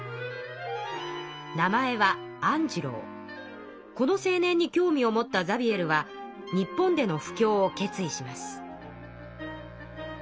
名前はこの青年に興味を持ったザビエルは日本での布教を決意します。